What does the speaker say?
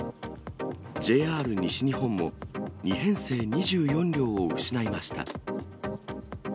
ＪＲ西日本も２編成２４両を失いました。